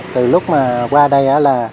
từ lúc mà qua đây